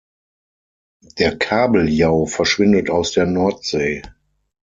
Der Kabeljau verschwindet aus der Nordsee.